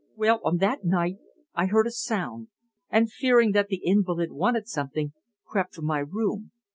Well, on that night I heard a sound, and, fearing that the invalid wanted something, crept from my room.